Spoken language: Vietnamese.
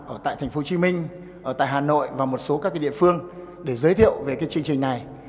ở thành phố hồ chí minh hà nội và một số các địa phương để giới thiệu về chương trình này